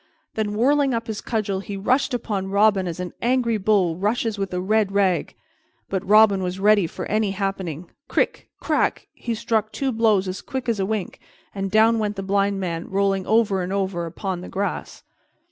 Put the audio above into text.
Then, whirling up his cudgel, he rushed upon Robin as an angry bull rushes upon a red rag. But Robin was ready for any happening. "Crick! Crack!" he struck two blows as quick as a wink, and down went the Blind man, rolling over and over upon the grass.